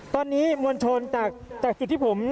ตอนนี้มวลชนจากจุดที่ผม